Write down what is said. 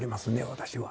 私は。